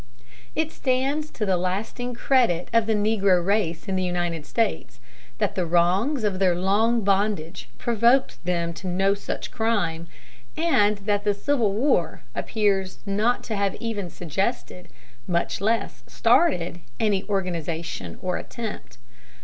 It stands to the lasting credit of the negro race in the United States that the wrongs of their long bondage provoked them to no such crime, and that the Civil War appears not to have even suggested, much less started, any such organization or attempt.